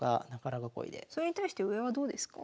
それに対して上はどうですか？